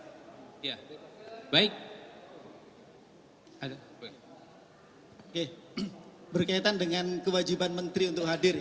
saya sedang berbicara dengan kewajiban menteri untuk hadir